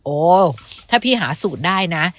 โอ้ถ้าพี่หาสูตรได้นะ